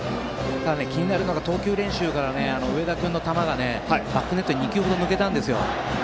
ただ、気になるのが投球練習から上田君の球が２球ほどバックネットに抜けたんですよ。